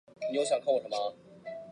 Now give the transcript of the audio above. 过去为统一狮守备外野手。